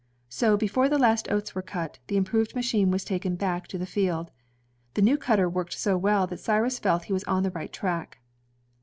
So before the last oats were cut, the improved machine was taken back to the field. The new cutter worked so well that Cyrus felt he was on the right track.